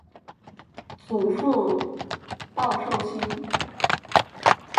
祖父鲍受卿。